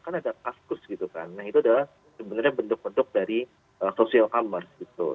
nah itu adalah sebenarnya bentuk bentuk dari social commerce gitu